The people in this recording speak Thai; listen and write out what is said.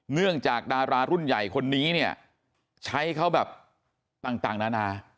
เนื่องจากดารารุ่นใหญ่คนนี้เนี่ยใช้เขาแบบต่างนานา